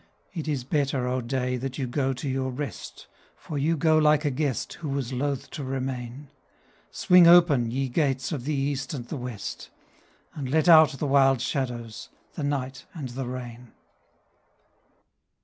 It is better, O day, that you go to your rest, For you go like a guest who was loth to remain! Swing open, ye gates of the east and the west, And let out the wild shadows the night and the rain.